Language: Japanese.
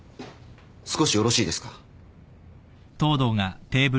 少しよろしいですか？